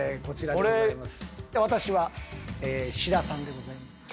私は志田さんでございます。